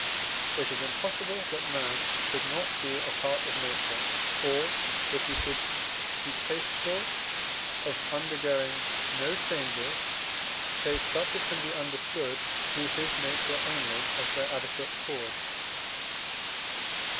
It is impossible, that man should not be a part of Nature, or that he should be capable of undergoing no changes, save such as can be understood through his nature only as their adequate cause.